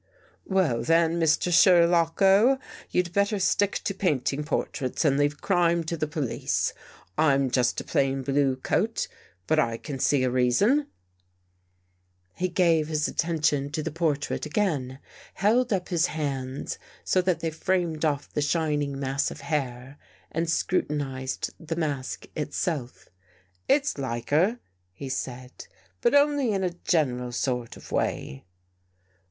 " Well, then, Mr. Sherlocko, you'd better stick to painting portraits and leave crime to the police. I'm just a plain blue coat, but I can see a reason." 95 THE GHOST GIRL He gave his attention to the portrait again; held up his hands so that they framed off the shining mass of hair and scrutinized the mask itself. It's like her," he said, " but only in a general sort of way."